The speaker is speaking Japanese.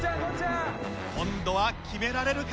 今度は決められるか？